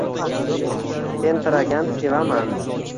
Tentiragan tevaman